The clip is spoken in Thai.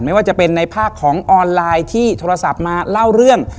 ไม่ว่าจะเป็นในภาคของออนไลน์ที่โทรศัพท์มาเล่าเรื่อง